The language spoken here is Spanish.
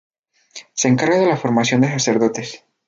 Se encarga de la formación de sacerdotes.